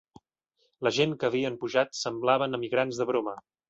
La gent que havien pujat semblaven emigrants de broma